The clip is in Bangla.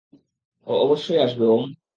ও অবশ্যই আসবে ওম।